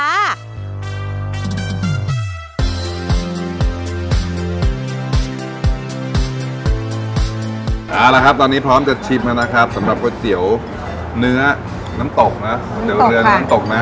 เอาละครับตอนนี้พร้อมจะชิมน่ะครับสำหรับก๋วยเตี๋ยวเนื้อน้ำตกนะ